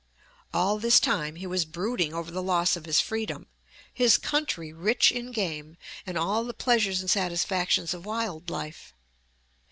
All this time he was brooding over the loss of his freedom, his country rich in game, and all the pleasures and satisfactions of wild life.